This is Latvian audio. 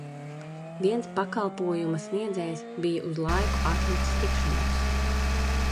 Viens pakalpojuma sniedzējs bija uz laiku atlicis tikšanos.